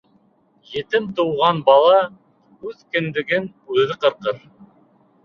Етем тыуған бала үҙ кендеген үҙе ҡырҡыр.